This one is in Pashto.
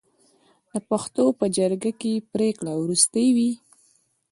د پښتنو په جرګه کې پریکړه وروستۍ وي.